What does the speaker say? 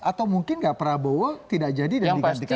atau mungkin nggak prabowo tidak jadi dan digantikan